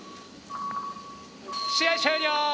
試合終了。